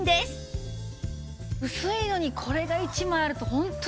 薄いのにこれが１枚あるとホント違いますからね。